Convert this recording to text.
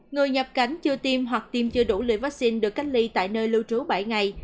người nhập cảnh chưa tiêm hoặc tiêm chưa đủ liều vaccine được cách ly tại nơi lưu trú bảy ngày